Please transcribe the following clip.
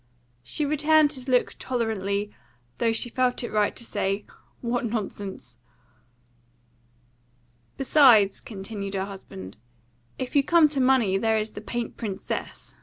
She returned his look tolerantly, though she felt it right to say, "What nonsense!" "Besides," continued her husband, "if you come to money, there is the paint princess.